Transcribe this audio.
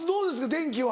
電気は。